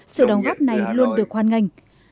sự đóng góp này luôn được hoan nghênh